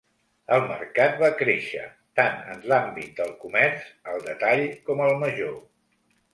El mercat va créixer, tant en l'àmbit del comerç al detall com al major.